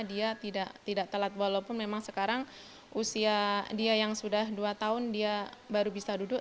dia tidak telat walaupun memang sekarang usia dia yang sudah dua tahun dia baru bisa duduk